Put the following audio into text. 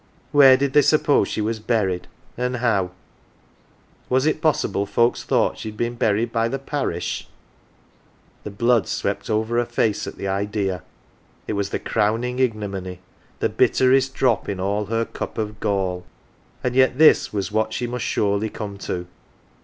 Where did they suppose she was buried, and how ? Was it possible folks thought she had been buried by the Parish ? The blood swept over her face at the idea. It was the crowning ignominy, the bitterest drop in all her cup of gall. And yet this was what she must surely come to.